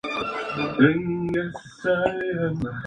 WikiLeaks no reveló su fuente.